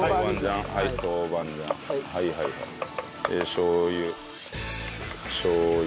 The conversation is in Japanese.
しょう油しょう油。